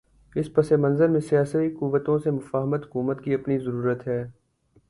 اس پس منظر میں سیاسی قوتوں سے مفاہمت حکومت کی اپنی ضرورت ہے۔